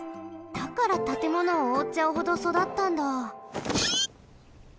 だからたてものをおおっちゃうほどそだったんだ。